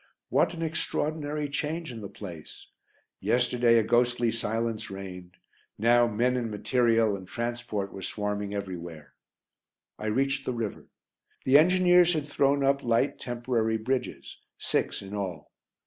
What an extraordinary change in the place! Yesterday a ghostly silence reigned; now men and material and transport were swarming everywhere. I reached the river. The engineers had thrown up light, temporary bridges six in all.